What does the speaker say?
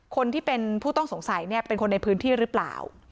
คนที่เป็นผู้ต้องสงสัยเนี่ยเป็นคนในพื้นที่หรือเปล่า